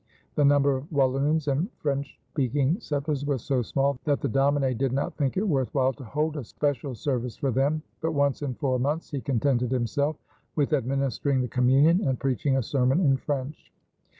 The number of Walloons and French speaking settlers was so small that the domine did not think it worth while to hold a special service for them, but once in four months he contented himself with administering the communion and preaching a sermon in French.